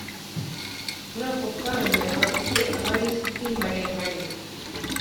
muri ako kanya, bafite amalisiti maremare